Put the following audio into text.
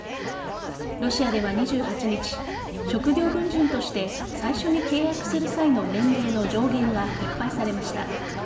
ロシアでは、２８日職業軍人として最初に契約する際の年齢の上限が撤廃されました。